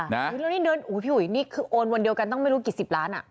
แล้วนี่เดินอุ้ยพี่ห่วยโอนวันเดียวกันต้องไม่รู้กี่สิบล้าน